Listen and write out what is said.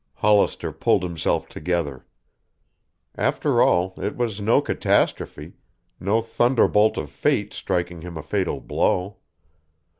Hollister pulled himself together. After all, it was no catastrophe, no thunderbolt of fate striking him a fatal blow.